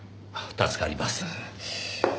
助かります。